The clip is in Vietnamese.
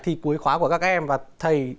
thì cuối khóa của các em và thầy